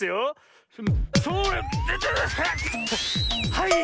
はい！